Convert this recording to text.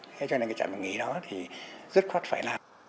thế cho nên cái trạm dừng nghỉ đó thì rất khó phải